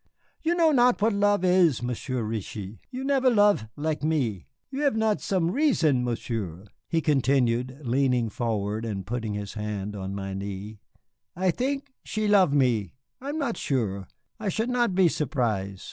You know not what love is, Monsieur Reetchie, you never love laik me. You have not sem risson. Monsieur," he continued, leaning forward and putting his hand on my knee, "I think she love me I am not sure. I should not be surprise'.